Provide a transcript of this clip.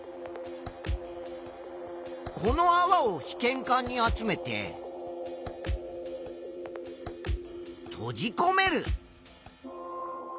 このあわを試験管に集めてとじこめる。